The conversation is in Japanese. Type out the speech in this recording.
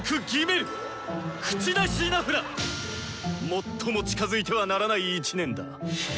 最も近づいてはならない１年だ。